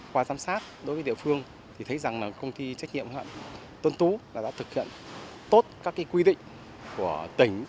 qua giám sát đối với địa phương thì thấy rằng là công ty trách nhiệm hoặc tôn tú là đã thực hiện tốt các cái quy định của tỉnh